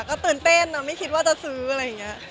ก็ตื่นเต้นไม่คิดว่าจะซื้ออะไรอย่างนี้